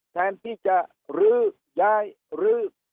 แทนที่จะลื้อย้ายหรือ